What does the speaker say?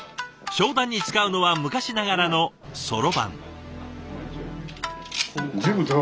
商談に使うのは昔ながらのそろばん。